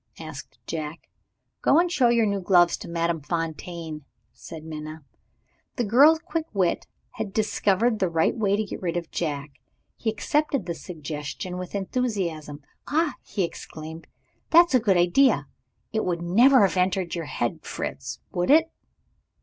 asked Jack. "Go and show your new gloves to Madame Fontaine," said Minna. The girl's quick wit had discovered the right way to get rid of Jack. He accepted the suggestion with enthusiasm. "Ah!" he exclaimed, "that's a good idea! It would never have entered your head, Fritz, would it?"